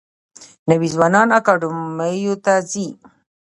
نوي ځوانان اکاډمیو ته ځي.